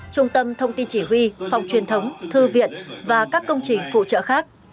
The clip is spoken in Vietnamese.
trung tâm thông tin chỉ huy phòng truyền thống thư viện và các công trình phụ trợ khác